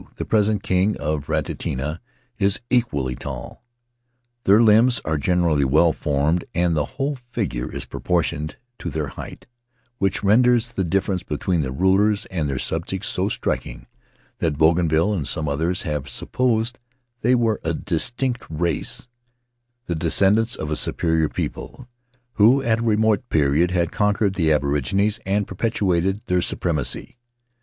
The present king of Raiatea is equally tall. ... Their limbs are generally well formed, and the whole figure is proportioned to their height, which renders the difference between the rulers and their subjects so striking that Bougainville and some others have supposed they were a distinct race, the descend ants of a superior people, who at a remote period had conquered the aborigines and perpetuated their su premacy."